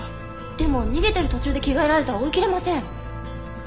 でも逃げてる途中で着替えられたら追いきれません。